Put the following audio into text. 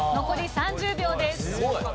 残り３０秒です。